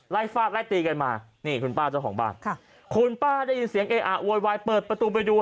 ฟาดไล่ตีกันมานี่คุณป้าเจ้าของบ้านค่ะคุณป้าได้ยินเสียงเออะโวยวายเปิดประตูไปดู